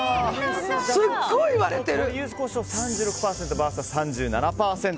すっごい割れてる！